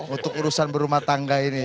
untuk urusan berumah tangga ini